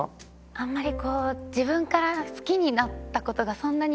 あんまり自分から好きになった事がそんなになくて。